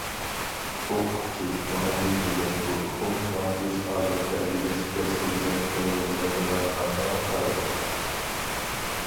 « ئوقۇتقۇچى»،« مۇئەللىم» دېگەن بۇ ئۇقۇم مەخسۇس ئادەم تەربىيەلەش كەسپى بىلەن شۇغۇللىنىدىغانلارغا قارىتىلغان.